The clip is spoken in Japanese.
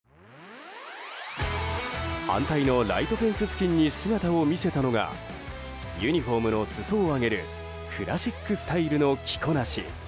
反対のライトフェンス付近に姿を見せたのがユニホームの裾を上げるクラシックスタイルの着こなし。